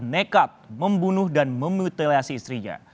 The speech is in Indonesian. nekat membunuh dan memutilasi istrinya